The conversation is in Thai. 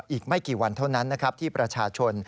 อีกไม่กี่วันเท่านั้นนะครับที่ประชาชน